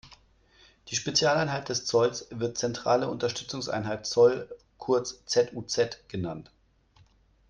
Die Spezialeinheit des Zolls wird zentrale Unterstützungseinheit Zoll, kurz Z-U-Z, genannt.